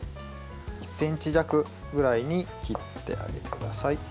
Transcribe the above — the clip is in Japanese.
１ｃｍ弱ぐらいに切ってあげてください。